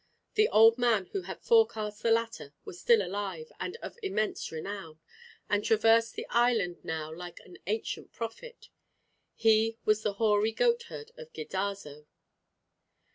The old man who had forecast the latter was still alive, and of immense renown, and traversed the island now like an ancient prophet. He was the hoary goatherd of Ghidazzo.